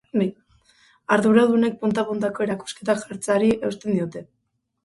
Arduradunek punta puntako erakusketak jartzeari eusten diote.